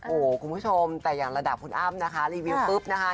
โอ้โหคุณผู้ชมแต่อย่างระดับคุณอ้ำนะคะรีวิวปุ๊บนะคะ